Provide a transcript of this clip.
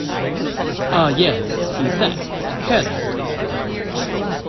"Ah, yes," he said, carelessly.